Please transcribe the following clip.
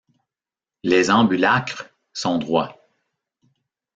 Les ambulacres sont droits.